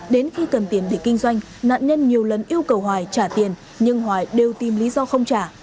đến khi cần tiền để kinh doanh nạn nhân nhiều lần yêu cầu hoài trả tiền nhưng hoài đều tìm lý do không trả